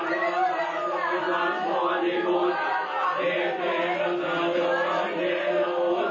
เข้าทางตาลังตามกลับแล้วเถียงกลอดไป